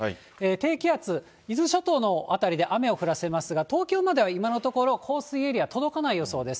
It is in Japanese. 低気圧、伊豆諸島の辺りで雨を降らせますが、東京までは今のところ、降水エリア届かない予想です。